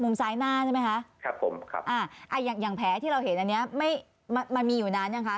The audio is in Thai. มุมซ้ายหน้าใช่ไหมคะครับผมครับอย่างแผลที่เราเห็นอันนี้มันมีอยู่นั้นยังคะ